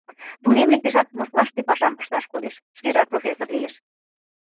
Тунем лектешат, Москваште пашам ышташ кодеш, шкежат профессор лиеш.